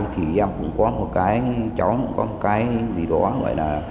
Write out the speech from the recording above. thì em cũng có một cái chó có một cái gì đó gọi là